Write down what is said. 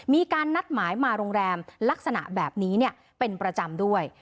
มีการนัดหมายมาโรงแรมลักษณะแบบนี้เป็นประจำด้วย